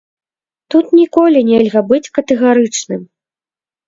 Тут ніколі нельга быць катэгарычным.